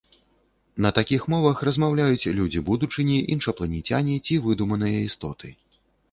На такіх мовах размаўляюць людзі будучыні, іншапланецяне ці выдуманыя істоты.